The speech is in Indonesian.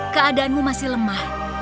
keadaanmu masih lemah